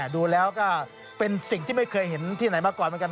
ดูแล้วก็เป็นสิ่งที่ไม่เคยเห็นที่ไหนมาก่อนเหมือนกัน